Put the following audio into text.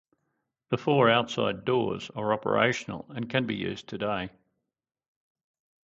The four outside doors are operational and can be used today.